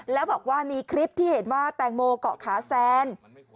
แล้วบอกว่ามีคลิปที่เห็นว่าแตงโมเกาะขาแซน